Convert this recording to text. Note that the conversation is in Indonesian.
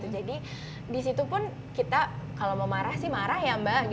jadi di situ pun kita kalau mau marah sih marah ya mbak